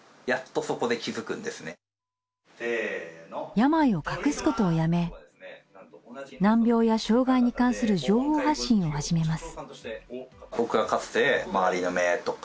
病を隠すことをやめ難病や障がいに関する情報発信を始めます。